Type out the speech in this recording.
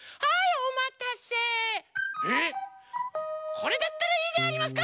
これだったらいいでありますか？